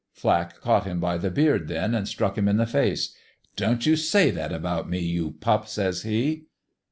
"Flack caught him by the beard, then, an' struck him in the face. ' Don't you say that about me, you pup !' says he.